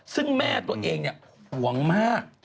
ซึ่งแม่ตัวเองห่วงมาก